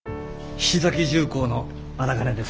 菱崎重工の荒金です。